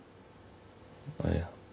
あっいや。